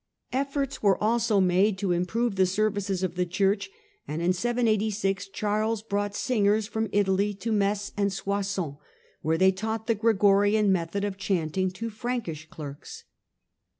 Efforts were also made to improve the services of the Church, and in 786 Charles brought singers from Italy to Metz and Soissons, where they taught the Gregorian method of chanting to Frankish clerks.